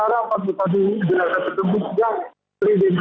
lapas kelas satu tangerang